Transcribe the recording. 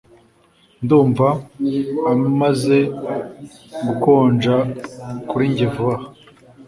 Ndumva amaze gukonja kuri njye vuba aha